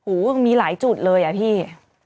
หูมีหลายจุดเลยอะพี่